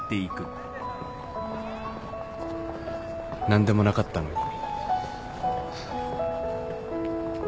何でもなかったのに